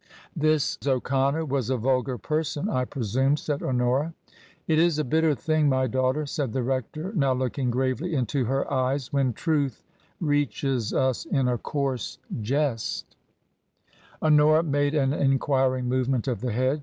" "This O'Connor was a vulgar person, I presume," said Honora. " It is a bitter thing, my daughter," said the rector, now looking gravely into her eyes, " when truth reaches us in a coarse jest." TRANSITION, 17 Honora 'made an enquiring movement of the head.